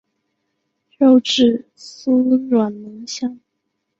肉质酥软浓香。